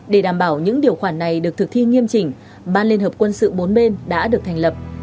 để đảm bảo những điều khoản này được thực thi nghiêm chỉnh ban liên hợp quân sự bốn bên đã được thành lập